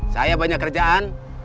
saya banyak kerjaan